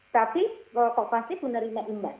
tapi perokok pasif menerima iman